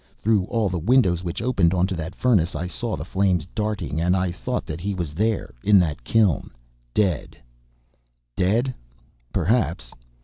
Through all the windows which opened onto that furnace I saw the flames darting, and I thought that he was there, in that kiln, dead. Dead? perhaps?...